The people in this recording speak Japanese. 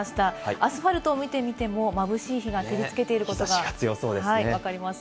アスファルトを見てみてもまぶしい日が照りつけていることがわかります。